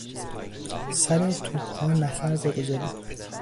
سر توپها نفر بگذارید!